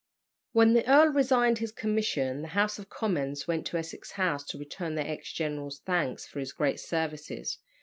When the earl resigned his commission, the House of Commons went to Essex House to return their ex general thanks for his great services.